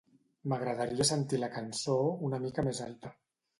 M'agradaria sentir la cançó una mica més alta.